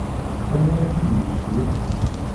Anwa ara t-id-yecbun?